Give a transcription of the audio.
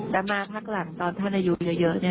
แต่มาพักหลังตอนท่านอายุเยอะ